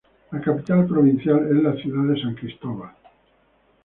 La capital provincial es la ciudad de San Cristóbal.